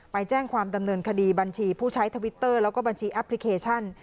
ไปแจ้งความดำเนินคดีบัญชีผู้ใช้ทวิตเตอร์แล้วก็บัญชีแอปพลิเคชัน